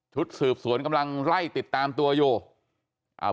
ชุดสืบสวนกำลังไล่ติดตามตัวอยู่อ่า